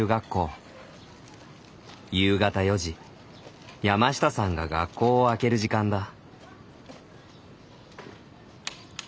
夕方４時山下さんが学校を開ける時間だ。